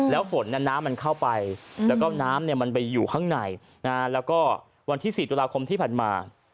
แล้วฝนน้ำมันเข้าไปแล้วก็น้ำมันไปอยู่ข้างในแล้วก็วันที่๔ตุลาคมที่ผ่านมา